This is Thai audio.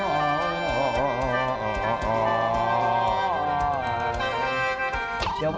โอ้โห